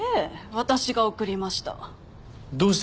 私が送りました。